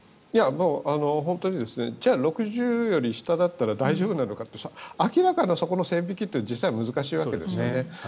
本当にじゃあ６０より下だったら大丈夫なのかって明らかなそこの線引きというのは実際、難しいわけですね。